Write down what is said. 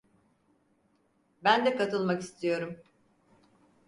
Ben de katılmak istiyorum.